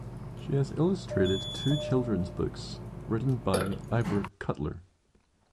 She has illustrated two children's books written by Ivor Cutler.